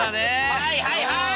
はいはいはーい。